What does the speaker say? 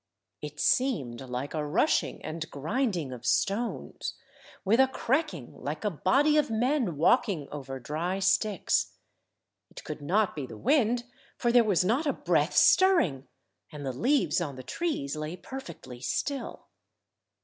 It seemed like a rushing and grinding of stones, with a cracking like a body of men walking over dry sticks. It could not be the wind, for there was not a breath stirring, and the leaves on the trees lay perfectly still.